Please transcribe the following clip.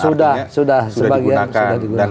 sudah sudah sebagian sudah digunakan